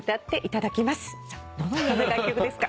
どのような楽曲ですか？